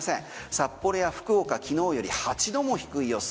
札幌や福岡昨日より８度も低い予想。